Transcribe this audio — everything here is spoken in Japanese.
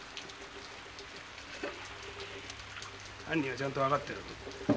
犯人はちゃんと分かってる。